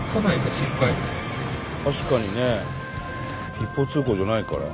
確かにね。一方通行じゃないから。